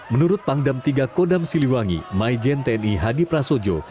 menurut pangdam tiga kodam siliwangi maijen tni hadi prasojo